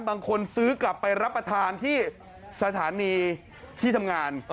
บางคนซื้อกลับไปรับประทานที่สถานีที่ทำงาน